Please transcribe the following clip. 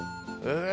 え